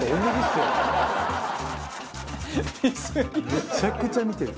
「めちゃくちゃ見てる」